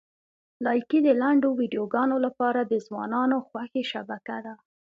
لایکي د لنډو ویډیوګانو لپاره د ځوانانو خوښې شبکه ده.